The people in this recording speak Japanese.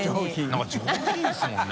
燭上品ですもんね。